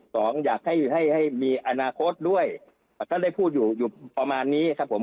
อยากให้ให้ให้มีอนาคตด้วยก็ได้พูดอยู่อยู่ประมาณนี้ครับผม